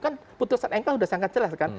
kan putusan mk sudah sangat jelas kan